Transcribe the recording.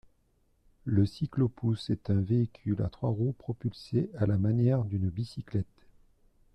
Le cyclo-pousse est un véhicule à trois roues propulsé à la manière d'une bicyclette.